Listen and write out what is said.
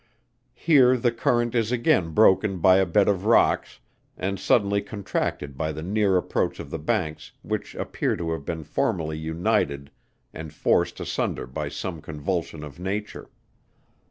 Here the current is again broken by a bed of rocks, and suddenly contracted by the near approach of the banks which appear to have been formerly united and forced asunder by some convulsion of nature.